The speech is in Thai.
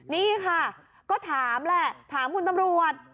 นี่ค่ะก็ถามแหละถามคุณตำรวจ